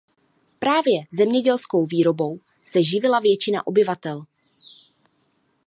Právě zemědělskou výrobou se živila většina obyvatel.